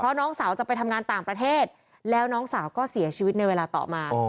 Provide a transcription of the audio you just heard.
น้องสาวจะไปทำงานต่างประเทศแล้วน้องสาวก็เสียชีวิตในเวลาต่อมา